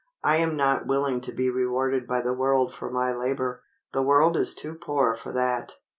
_I am not willing to be rewarded by the world for my labor; the world is too poor for that!